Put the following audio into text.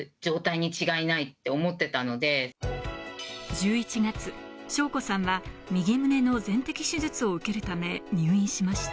１１月、省子さんは右むねの全摘手術を受けるため入院しました。